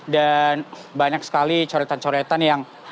banyak sekali coretan coretan yang